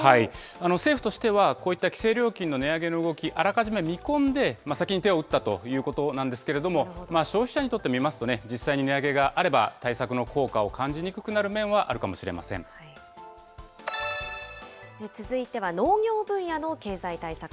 政府としては、こういった規制料金の値上げの動き、あらかじめ見込んで、先に手を打ったということなんですけれども、消費者にとって見ますとね、実際に値上げがあれば、対策の効果を感じに続いては農業分野の経済対策